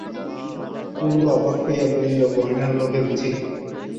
কুন্দ অবাক হইয়া বলিল, গয়নার লোভে বুঝি?